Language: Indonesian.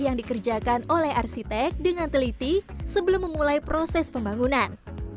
yang dikerjakan oleh arsitek dengan teliti sebelum memulai proses pembangunan